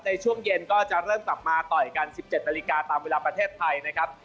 ในช่วงเย็นก็จะเริ่มกลับมาต่อยกัน๑๗นาฬิกาตามเวลาประเทศไทยนะครับ